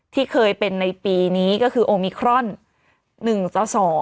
ที่เคยเป็นในปีนี้ก็คือโอมิครอน๑ต่อ๒